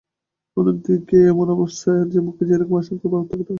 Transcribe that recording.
অন্যদিনে এমন অবস্থায় তার মুখে যেরকম আশঙ্কার ভাব থাকত আজ তা কিছুই নেই।